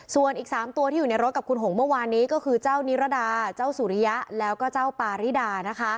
ส่วนอีก๓ตัวที่อยู่ในรถกับคุณหงเมื่อวานนี้ก็คือเจ้านิรดาเจ้าสุริยะแล้วก็เจ้าปาริดานะคะ